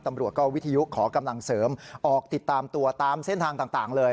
ตำรวจก็วิทยุขอกำลังเสริมออกติดตามตัวตามเส้นทางต่างเลย